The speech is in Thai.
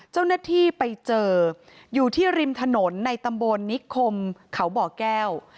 เจ้าหน้าที่ไปเจออยู่ที่ริมถนนในตำบลนิคมเขาบ่อแก้ว